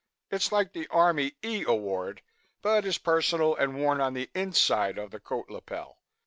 It's like the Army E Award but is personal and worn on the inside of the coat lapel.